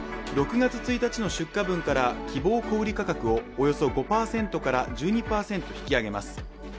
６月１日の出荷分から、希望小売価格をおよそ５％から１２％引き上げます。